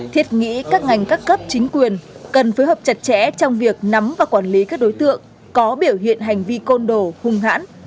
thiết nghĩ các ngành các cấp chính quyền cần phối hợp chặt chẽ trong việc nắm và quản lý các đối tượng có biểu hiện hành vi côn đổ hung hãn